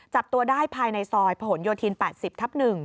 จับตัวได้ภายในซอยผนโยธิน๘๐ทับ๑